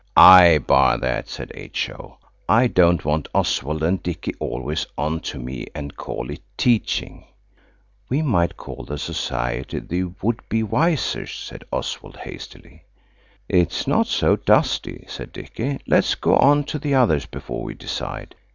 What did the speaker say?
"I bar that," said H.O. "I don't want Oswald and Dicky always on to me and call it teaching." "We might call the society the Would be Wisers," said Oswald hastily. "It's not so dusty," said Dicky; "let's go on to the others before we decide."